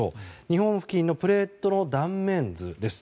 日本付近のプレートの断面図です。